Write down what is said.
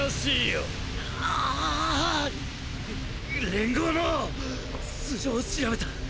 連合のっ素性を調べたっ！